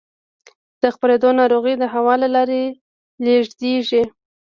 د خپرېدو ناروغۍ د هوا له لارې لېږدېږي.